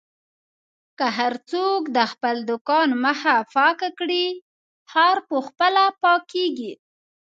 که هر څوک د خپل دوکان مخه پاکه کړي، ښار په خپله پاکېږي.